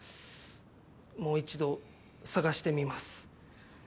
もう一度捜してみます。